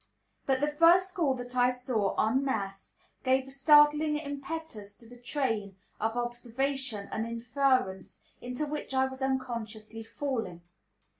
But the first school that I saw, en masse, gave a startling impetus to the train of observation and inference into which I was unconsciously falling.